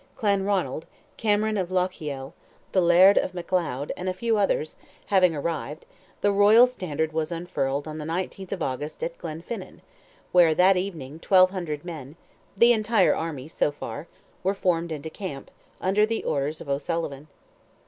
Clanronald, Cameron of Lochiel, the Laird of McLeod, and a few others, having arrived, the royal standard was unfurled on the 19th of August at Glenfinin, where that evening twelve hundred men—the entire army so far—were formed into camp, under the orders of O'Sullivan.